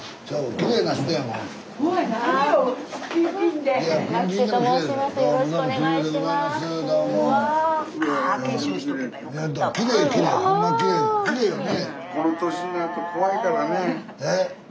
きれいよね。